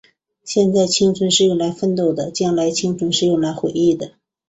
现在，青春是用来奋斗的；将来，青春是用来回忆的。